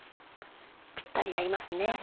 ぴったり合いますね。